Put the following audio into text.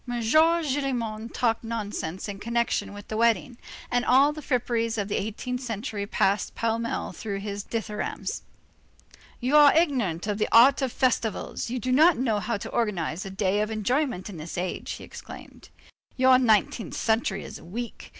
Gillenormand talked nonsense in connection with the wedding, and all the fripperies of the eighteenth century passed pell mell through his dithyrambs. "You are ignorant of the art of festivals. You do not know how to organize a day of enjoyment in this age," he exclaimed. "Your nineteenth century is weak.